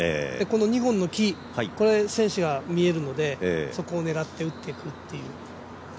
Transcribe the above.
２本の木、これ選手が見えるのでそこを狙って打っていくという。